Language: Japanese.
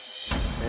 え